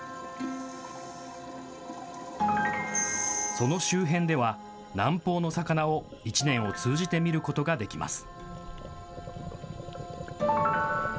その周辺では南方の魚を１年を通じて見ることができます。